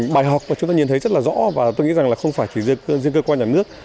bài học chúng ta nhìn thấy rất rõ và tôi nghĩ không phải chỉ riêng cơ quan nhà nước